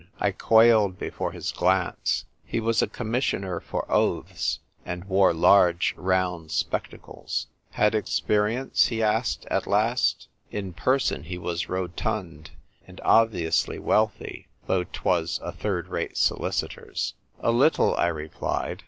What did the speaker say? I quailed before his glance; he was a commissioner for oaths, and wore large round spectacles. " Had ex perience ?" he asked at last. In person he was rotund and obviously wealthy, though 'twas a third rate solicitor's. "A little," I replied.